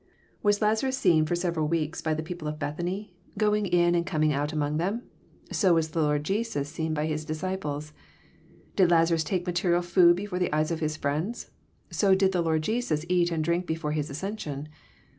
Was Lazarus seen for eeveral weeks by the people of Bethany, going in and JOHN, CHAP, xn. 307 coming out amoDg them? So was the Lord Jesas seen by His disciples. — Did Lazarus take material food before the eyes of his friends? So did the Lord Jesus eat and drink before His ascension.